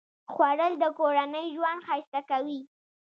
خوړل د کورنۍ ژوند ښایسته کوي